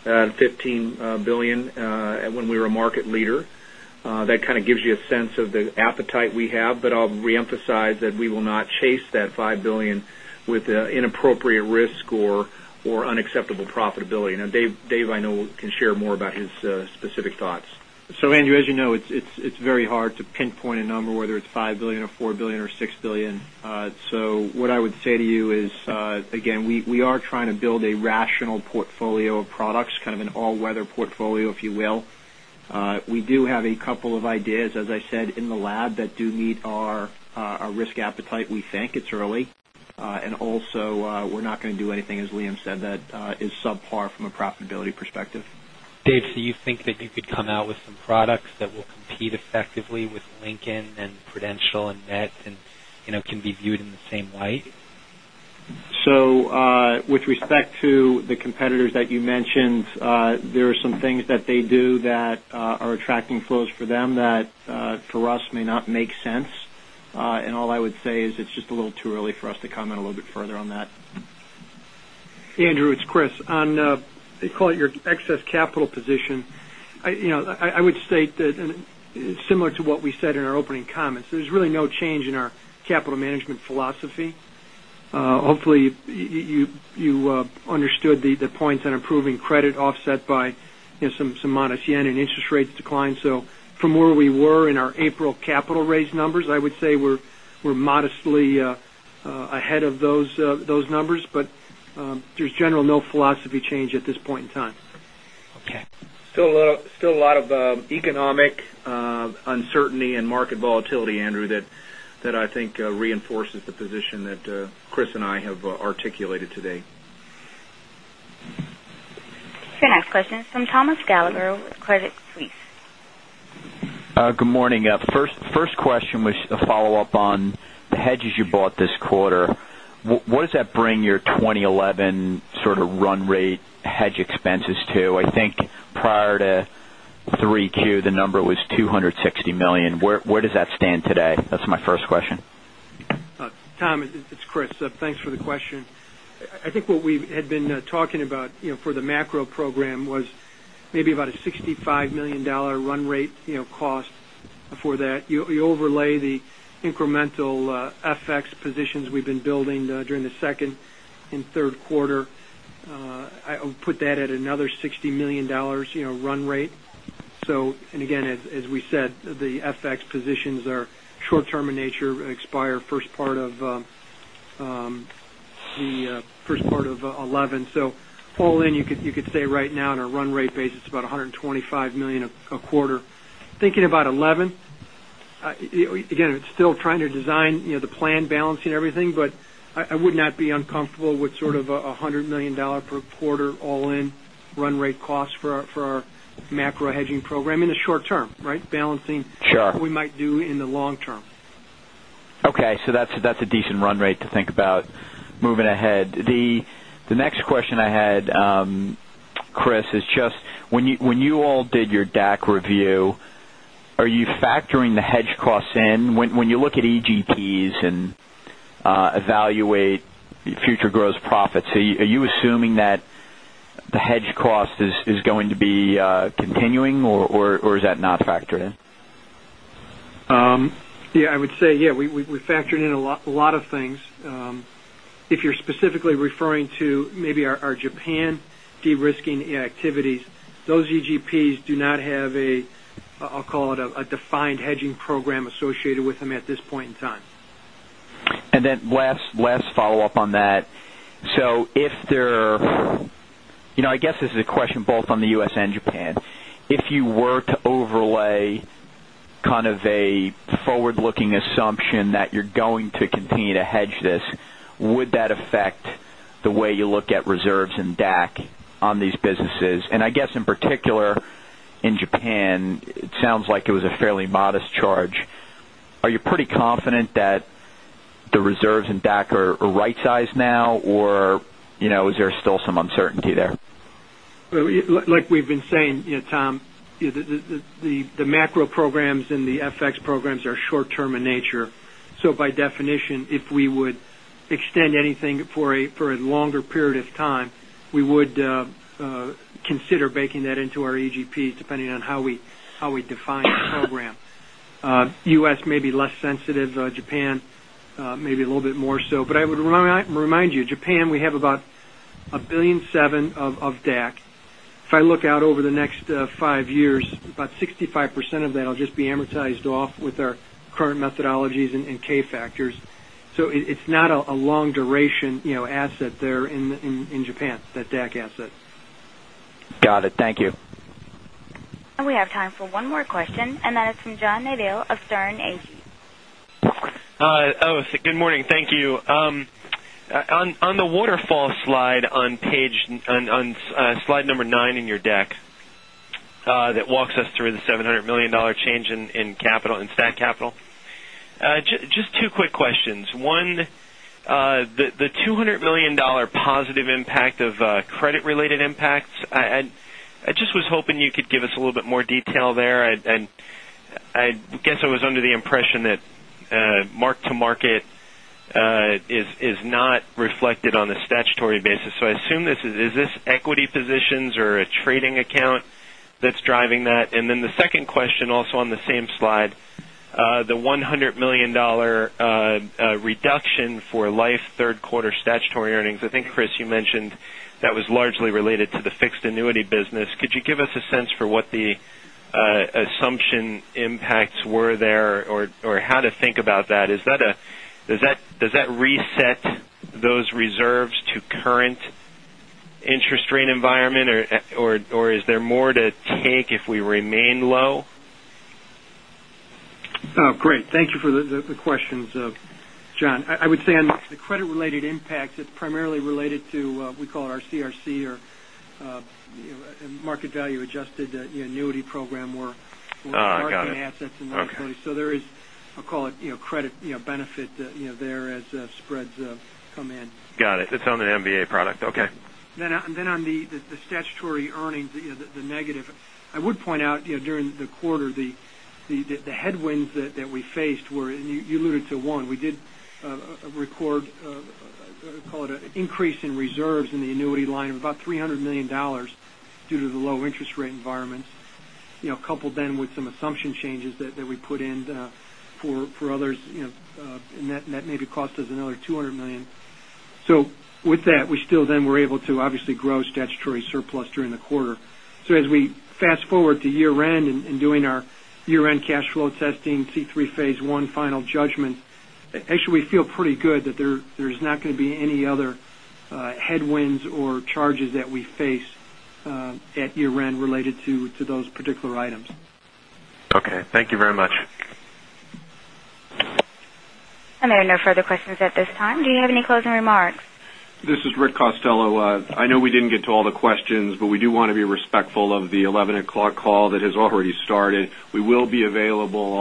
$15 billion, when we were a market leader. That kind of gives you a sense of the appetite we have. I'll reemphasize that we will not chase that $5 billion with inappropriate risk or unacceptable profitability. Dave, I know, can share more about his specific thoughts. Andrew, as you know, it's very hard to pinpoint a number, whether it's $5 billion or $4 billion or $6 billion. What I would say to you is, again, we are trying to build a rational portfolio of products, kind of an all-weather portfolio, if you will. We do have a couple of ideas, as I said, in the lab that do meet our risk appetite, we think. It's early. Also, we're not going to do anything, as Liam said, that is subpar from a profitability perspective. Dave, you think that you could come out with some products that will compete effectively with Lincoln and Prudential and MetLife and can be viewed in the same light? With respect to the competitors that you mentioned, there are some things that they do that are attracting flows for them that for us may not make sense. All I would say is it's just a little too early for us to comment a little bit further on that. Andrew, it's Chris. They call it your excess capital position. I would state that similar to what we said in our opening comments, there's really no change in our capital management philosophy. Hopefully you understood the points on improving credit offset by some modest JPY and interest rates decline. From where we were in our April capital raise numbers, I would say we're modestly ahead of those numbers. There's generally no philosophy change at this point in time. Okay. Still a lot of economic uncertainty and market volatility, Andrew, that I think reinforces the position that Chris and I have articulated today. Your next question is from Thomas Gallagher with Credit Suisse. Good morning. First question was a follow-up on the hedges you bought this quarter. What does that bring your 2011 sort of run rate hedge expenses to? I think prior to 3Q, the number was $260 million. Where does that stand today? That's my first question. Tom, it's Chris. Thanks for the question. I think what we had been talking about for the macro program was maybe about a $65 million run rate cost for that. You overlay the incremental FX positions we've been building during the second and third quarter. I would put that at another $60 million run rate. Again, as we said, the FX positions are short-term in nature, expire first part of 2011. All in, you could say right now on a run rate basis, about $125 million a quarter. Thinking about 2011, again, it's still trying to design the plan balancing everything, but I would not be uncomfortable with sort of $100 million per quarter all-in run rate cost for our macro hedging program in the short term, right? Balancing- Sure what we might do in the long term. Okay. That's a decent run rate to think about moving ahead. The next question I had, Chris, is just when you all did your DAC review, are you factoring the hedge costs in when you look at EGPs and evaluate future gross profits? Are you assuming that the hedge cost is going to be continuing, or is that not factored in? Yeah, I would say, we factored in a lot of things. If you're specifically referring to maybe our Japan de-risking activities, those EGPs do not have a, I'll call it a defined hedging program associated with them at this point in time. Last follow-up on that. I guess this is a question both on the U.S. and Japan. If you were to overlay kind of a forward-looking assumption that you're going to continue to hedge this, would that affect the way you look at reserves and DAC on these businesses? I guess in particular in Japan, it sounds like it was a fairly modest charge. Are you pretty confident that the reserves in DAC are right-sized now, or is there still some uncertainty there? Like we've been saying, Tom, the macro programs and the FX programs are short-term in nature. By definition, if we would extend anything for a longer period of time, we would consider baking that into our EGPs, depending on how we define the program. U.S. may be less sensitive. Japan may be a little bit more so. I would remind you, Japan, we have about $1.7 billion of DAC. If I look out over the next 5 years, about 65% of that will just be amortized off with our current methodologies and k-factors. It's not a long duration asset there in Japan, that DAC asset. Got it. Thank you. We have time for one more question, and that is from John Nadel of Sterne Agee. Hi. Good morning. Thank you. On the waterfall slide, on slide number nine in your deck, that walks us through the $700 million change in stat capital. Just two quick questions. One, the $200 million positive impact of credit-related impacts. I just was hoping you could give us a little bit more detail there. I guess I was under the impression that mark-to-market is not reflected on a statutory basis. I assume, is this equity positions or a trading account that's driving that? The second question, also on the same slide, the $100 million reduction for life third quarter statutory earnings. I think, Chris, you mentioned that was largely related to the fixed annuity business. Could you give us a sense for what the assumption impacts were there or how to think about that? Does that reset those reserves to current interest rate environment or is there more to take if we remain low? Oh, great. Thank you for the questions, John. I would say on the credit-related impact, it's primarily related to, we call it our CRC or market value adjusted annuity program where- Oh, got it. There is, I'll call it credit benefit there as spreads come in. Got it. It's on the MVA product. Okay. On the statutory earnings, the negative, I would point out during the quarter, the headwinds that we faced were, and you alluded to one, we did record, call it an increase in reserves in the annuity line of about $300 million due to the low interest rate environments, coupled with some assumption changes that we put in for others, and that maybe cost us another $200 million. With that, we still were able to obviously grow statutory surplus during the quarter. As we fast-forward to year-end in doing our year-end cash flow testing C3 Phase I final judgment, actually, we feel pretty good that there's not going to be any other headwinds or charges that we face at year-end related to those particular items. Okay. Thank you very much. There are no further questions at this time. Do you have any closing remarks? This is Rick Costello. I know we didn't get to all the questions, we do want to be respectful of the 11 o'clock call that has already started. We will be available